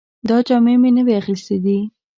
دا جامې مې نوې اخیستې دي